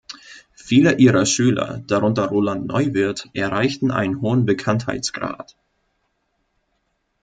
Viele ihrer Schüler, darunter Roland Neuwirth, erreichten einen hohen Bekanntheitsgrad.